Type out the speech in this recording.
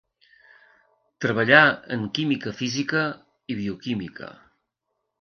Treballà en química física i bioquímica.